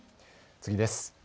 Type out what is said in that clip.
次です。